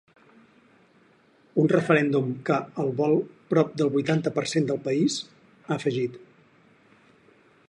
Un referèndum que el vol prop del vuitanta per cent del país, ha afegit.